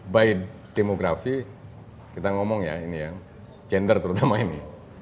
by demografi kita ngomong ya ini ya gender terutama ini